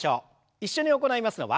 一緒に行いますのは。